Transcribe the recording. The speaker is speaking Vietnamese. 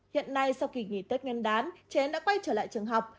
hiện nay sau kỳ nghỉ tết ngân đán trẻ đã quay trở lại trường học